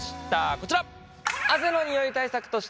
こちら！